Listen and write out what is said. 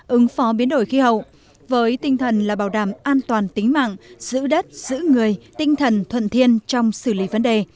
ứng phó biến đổi khí hậu với tinh thần là bảo đảm an toàn tính mạng giữ đất giữ người tinh thần thuận thiên trong xử lý vấn đề